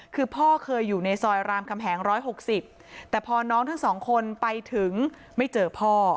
คือพ่อเคยอยู่ในซอยรามคำแหง๑๖๐แต่พอน้องทั้งสองคนไปถึงไม่เจอพ่อ